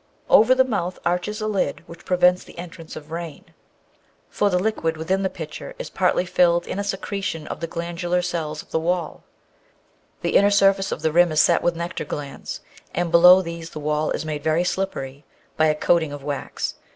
Over the mouth arches a lid which prevents the entrance of rain, for the liquid with VOL. Ill 4 614 The Outline of Science which the pitcher is partly filled is a secretion of the glandular cells of the wall. The inner surface of the rim is set with nectar glands, and below these the wall is made very slippery by a coat ing of wax.